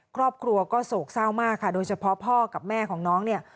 ครอบครัวก็โศกเศร้ามากค่ะโดยเฉพาะพ่อกับแม่ของน้องเนี่ย